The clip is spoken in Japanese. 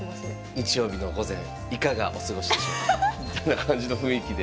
日曜日の午前いかがお過ごしでしょうかみたいな感じの雰囲気で。